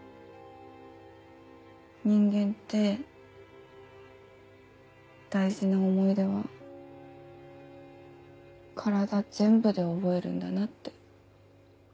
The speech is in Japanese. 人間って大事な思い出は体全部で覚えるんだなって。